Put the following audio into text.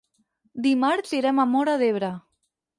Dimarts irem a Móra d'Ebre.